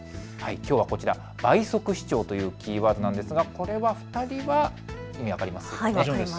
きょうは倍速視聴というキーワードなんですが、お二人は意味、分かりますか。